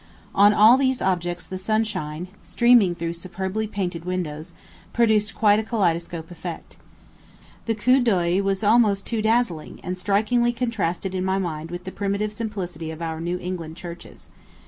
On all these objects the sunshine, streaming through superbly painted windows, produced quite a kaleidoscope effect. The coup d'œil was almost too dazzling, and strikingly contrasted in my mind with the primitive simplicity of our New England churches.